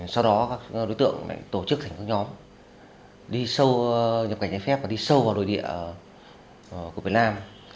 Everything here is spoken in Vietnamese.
sau đó các đối tượng tổ chức thành các nhóm nhập cảnh giấy phép và đi sâu vào đồi địa của việt nam